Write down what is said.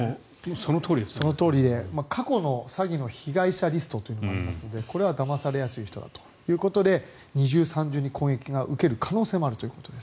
そのとおりで過去の詐欺の被害者リストがありますのでこれはだまされやすい人だということで二重三重に攻撃を受ける可能性があるということです。